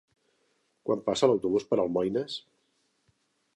Quan passa l'autobús per Almoines?